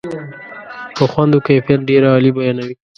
په خوند و کیفیت ډېره عالي بیانوي.